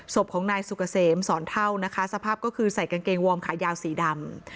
ศพของนายสุกเกษมสอนเท่านะคะสภาพก็คือใส่กางเกงวอร์มขายาวสีดำ